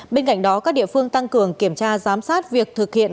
bên cạnh đó các địa phương tăng cường kiểm tra giám sát việc thực hiện